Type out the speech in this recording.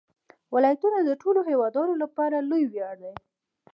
ولایتونه د ټولو هیوادوالو لپاره لوی ویاړ دی.